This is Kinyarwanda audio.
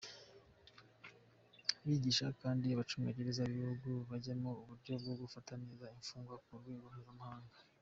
Bigisha kandi abacungagereza b’ibihugu bajyamo uburyo bwo gufata neza imfungwa ku rwego mpuzamahanga.